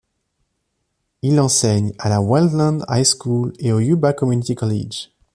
Il enseigne à la Wheatland High School et au Yuba Community College.